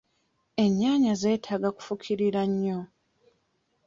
Ennyaanya zeetaaga kufukirira nnyo.